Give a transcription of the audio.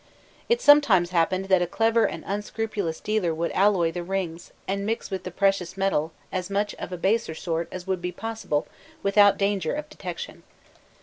* It sometimes happened that a clever and unscrupulous dealer would alloy the rings, and mix with the precious metal as much of a baser sort as would be possible without danger of detection.